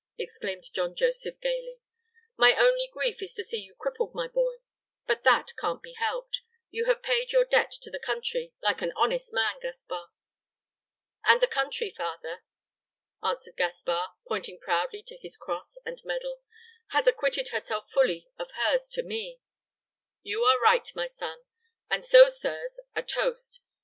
exclaimed John Joseph gayly. "My only grief is to see you crippled, my boy. But that can't be helped. You have paid your debt to the country like an honest man, Gaspar." "And the country, father," answered Gaspar, pointing proudly to his cross and medal, "has acquitted herself fully of hers to me." "You are right, my son: and so, sirs, a toast.